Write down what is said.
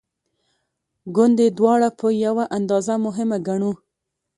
ګوندې دواړه په یوه اندازه مهمه ګڼو.